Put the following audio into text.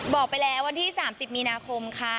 บอกไปแล้ววันที่๓๐มีนาคมค่ะ